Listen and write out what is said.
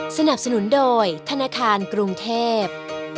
สนับสนุนโดยธนาคารกรุงเทพ